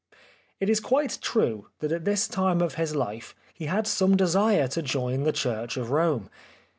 It is quite true that at this time of his life he had some desire to join the Church of Rome.